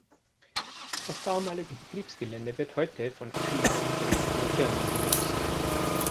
Das damalige Betriebsgelände wird heute von verschiedenen Dresdner Firmen genutzt.